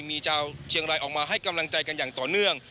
มีชาวเชียงรายออกมาให้กำลังใจกันอย่างต่อเนื่อง